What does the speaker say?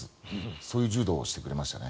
そういう柔道をしてくれましたね。